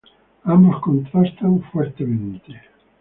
Ambos contrastan fuertemente.